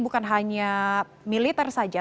bukan hanya militer saja